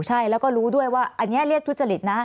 ใช่แล้วก็รู้ด้วยว่าอันนี้เรียกทุจริตนะ